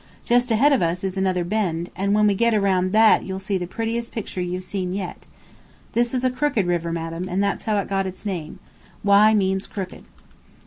Just ahead of us is another bend, and when we get around that you'll see the prettiest picture you've seen yet. This is a crooked river, madam, and that's how it got its name. Wye means crooked."